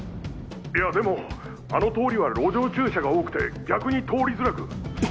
いやでもあの通りは路上駐車が多くて逆に通りづらく。